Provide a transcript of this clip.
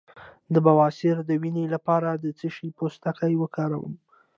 د بواسیر د وینې لپاره د څه شي پوستکی وکاروم؟